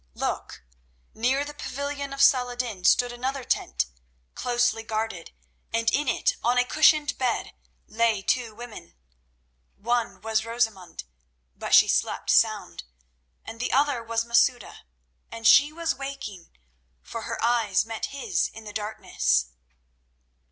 .." Look! near to the pavilion of Saladin stood another tent, closely guarded, and in it on a cushioned bed lay two women. One was Rosamund, but she slept sound; and the other was Masouda, and she was waking, for her eyes met his in the darkness.